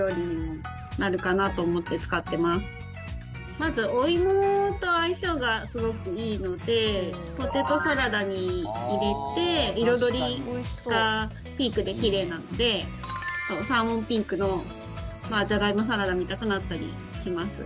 まず、お芋と相性がすごくよいのでポテトサラダに入れて彩りがピンクで奇麗なのでサーモンピンクのジャガイモサラダみたくなったりします。